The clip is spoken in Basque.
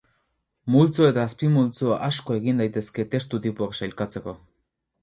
Multzo eta azpimultzo asko egin daitezke testu tipoak sailkatzeko.